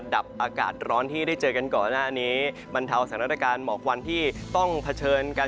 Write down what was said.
ดับอากาศร้อนที่ได้เจอกันก่อนหน้านี้บรรเทาสถานการณ์หมอกควันที่ต้องเผชิญกัน